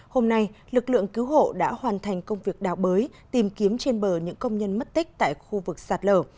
hôm nay lực lượng cứu hộ đã hoàn thành công việc đào bới tìm kiếm trên bờ những công nhân mất tích tại khu vực sạt lở